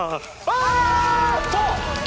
あっと！